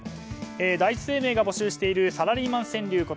第一生命が募集しているサラリーマン川柳。